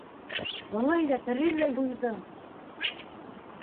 Былай ҙа тереләй һуйҙың!